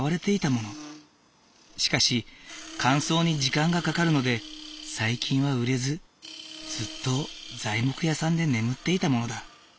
しかし乾燥に時間がかかるので最近は売れずずっと材木屋さんで眠っていたものだ。